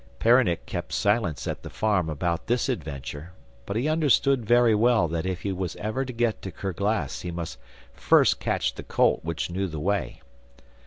Peronnik kept silence at the farm about this adventure, but he understood very well that if he was ever to get to Kerglas he must first catch the colt which knew the way.